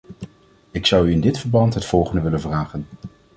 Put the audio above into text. Ik zou u in dit verband het volgende willen vragen.